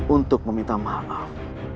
untuk meminta maaf